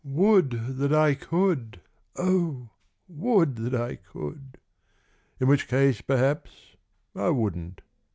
Would that I could. O would that I could! In which case, perhaps, I wouldn't.